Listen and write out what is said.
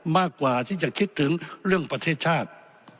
มากกว่าที่จะคิดถึงเรื่องประเทศชาติ